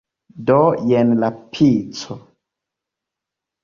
Do, jen la pico